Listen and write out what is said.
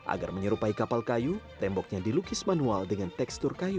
agar menyerupai kapal kayu temboknya dilukis manual dengan tekstur kayu